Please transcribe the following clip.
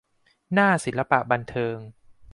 หน้าศิลปะบันเทิง